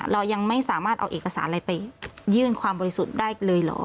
เรายังไม่สามารถเอาเอกสารอะไรไปยื่นความบริสุทธิ์ได้เลยเหรอ